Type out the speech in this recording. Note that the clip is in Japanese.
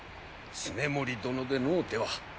経盛殿でのうては。